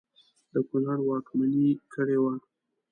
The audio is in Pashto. د کنړ واکمني کړې وه.